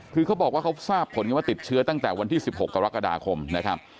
คือเขาบอกว่าเขาทราบผลกันว่าติดเชื้อตั้งแต่วันที่๑๖กรกฎาคมนะครับ